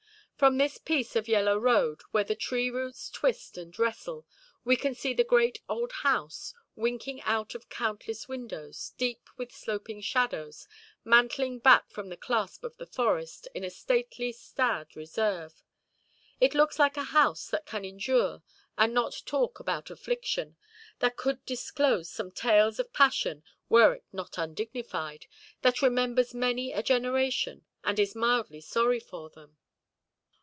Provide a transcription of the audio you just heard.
From this piece of yellow road, where the tree–roots twist and wrestle, we can see the great old house, winking out of countless windows, deep with sloping shadows, mantling back from the clasp of the forest, in a stately, sad reserve. It looks like a house that can endure and not talk about affliction, that could disclose some tales of passion were it not undignified, that remembers many a generation, and is mildly sorry for them.